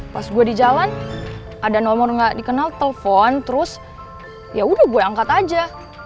pas gue di jalan ada nomor gak dikenal telpon terus yaudah gue angkat aja